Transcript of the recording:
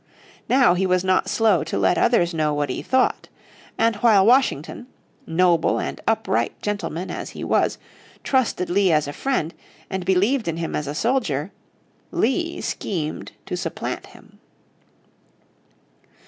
Now he was not slow to let others know what he thought. And while Washington, noble and upright gentleman as he was, trusted Lee as a friend, and believed in him as a soldier, Lee schemed to supplant him.